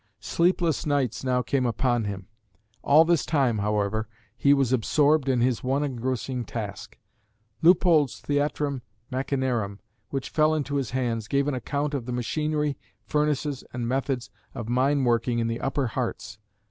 Sleepless nights now came upon him. All this time, however, he was absorbed in his one engrossing task. Leupold's "Theatrim Machinarum," which fell into his hands, gave an account of the machinery, furnaces and methods of mine working in the upper Hartz.